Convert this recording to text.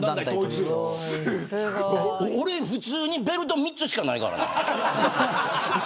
俺、普通にベルト３つしかないからね。